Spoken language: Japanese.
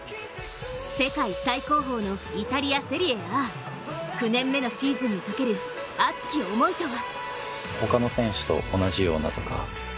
世界最高峰のイタリア・セリエＡ９年目のシーズンにかける熱き思いとは。